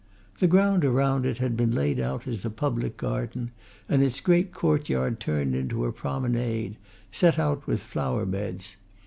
The ground around it had been laid out as a public garden, and its great courtyard turned into a promenade, set out with flowerbeds.